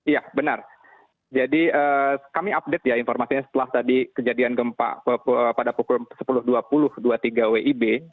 ya benar jadi kami update ya informasinya setelah tadi kejadian gempa pada pukul sepuluh dua puluh dua puluh tiga wib